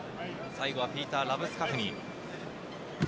最後はピーター・ラブスカフニ。